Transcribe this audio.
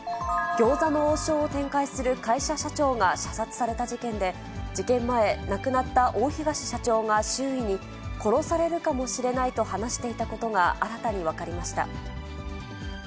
餃子の王将を展開する会社社長が射殺された事件で、事件前、亡くなった大東社長が周囲に、殺されるかもしれないと話していたことが新たに分かりました。